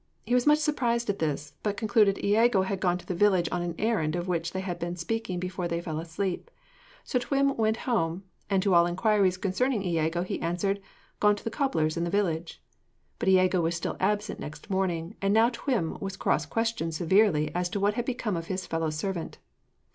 He was much surprised at this, but concluded Iago had gone to the village on an errand of which they had been speaking before they fell asleep. So Twm went home, and to all inquiries concerning Iago, he answered, 'Gone to the cobbler's in the village.' But Iago was still absent next morning, and now Twm was cross questioned severely as to what had become of his fellow servant.